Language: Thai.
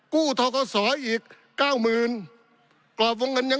ปี๑เกณฑ์ทหารแสน๒